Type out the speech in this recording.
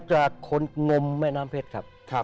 จากคนงมแม่น้ำเพชรครับ